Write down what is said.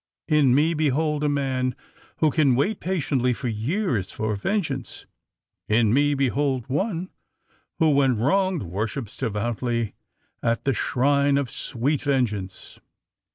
In me behold a man who can wait patiently for years for vengeance. In me behold one who, when wronged, worships devoutly at the shrine of sweet vengeance